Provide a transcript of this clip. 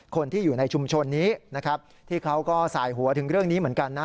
คนที่อยู่ในชุมชนนี้นะครับที่เขาก็สายหัวถึงเรื่องนี้เหมือนกันนะ